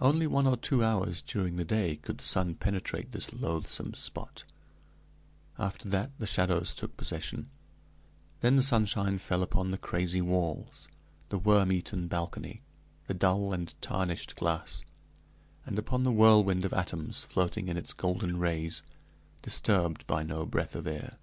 Only one or two hours during the day could the sun penetrate this loathsome spot; after that, the shadows took possession; then the sunshine fell upon the crazy walls, the worm eaten balcony, the dull and tarnished glass, and upon the whirlwind of atoms floating in its golden rays, disturbed by no breath of air.